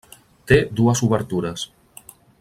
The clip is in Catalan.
Té dues obertures.